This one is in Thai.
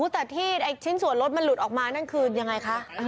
แต่ที่ชิ้นส่วนรถมันหลุดออกมานั่นคือยังไงคะ